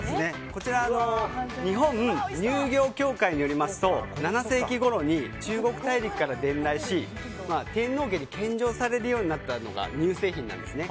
こちら日本乳業教会によりますと７世紀ごろに中国大陸から伝来し天皇家に献上されるようになったのが乳製品なんですね。